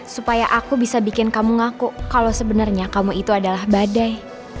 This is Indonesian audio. supaya aku bisa bikin kamu ngaku kalau sebenarnya kamu itu adalah badai